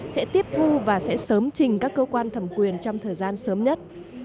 sẽ tiếp thu và sẽ sớm trình các cơ quan thẩm quyền trong thời gian sớm nhất